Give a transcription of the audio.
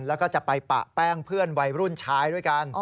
แล้วก็จะไปปะแป้งเพื่อนวัยรุ่นชายด้วยกัน